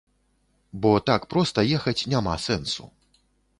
Бо так проста ехаць няма сэнсу.